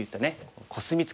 コスミツケ